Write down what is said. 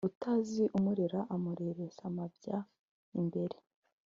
Utazi umurera amureresa amabya imbere.